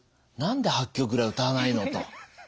何で８曲ぐらい歌わないの？」と。